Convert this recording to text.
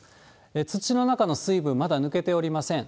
土の中の水分、まだ抜けておりません。